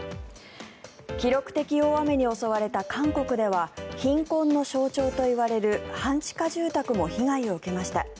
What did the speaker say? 記録的大雨に襲われた韓国では貧困の象徴といわれる半地下住宅も被害を受けました。